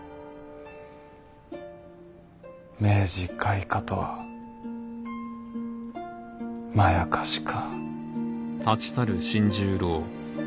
明治開化とはまやかしか。